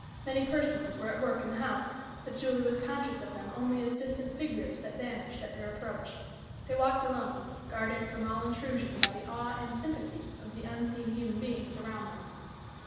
Many persons were at work in the house, but Julie was conscious of them only as distant figures that vanished at their approach. They walked alone, guarded from all intrusion by the awe and sympathy of the unseen human beings around them.